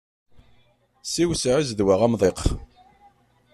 Siwseɛ i zzedwa amḍiq.